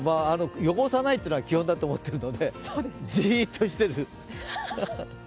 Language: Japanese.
汚さないというのが基本だと思っているので、じーっとしてる。